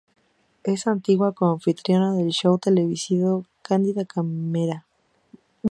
Es antigua co-anfitriona del show televisivo "Candida Camera".